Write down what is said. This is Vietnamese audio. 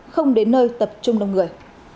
không đến nơi tập trung đông người